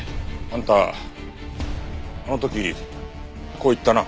あんたあの時こう言ったな。